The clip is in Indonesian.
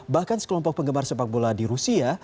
bahkan sekelompok penggemar sepak bola di rusia